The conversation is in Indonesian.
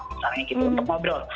misalnya gitu untuk ngobrol